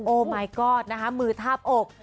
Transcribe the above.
โอ้มายก๊อดมือทาบอก